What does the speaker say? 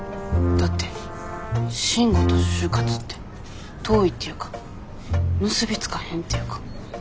だって「慎吾」と「就活」って遠いっていうか結び付かへんっていうか。